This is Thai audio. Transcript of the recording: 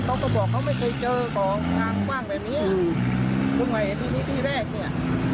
เขาก็บอกเขาไม่เคยเจอเกาะกลางกว้างแบบนี้พึ่งมาเห็นที่นี่ที่แรกเนี่ย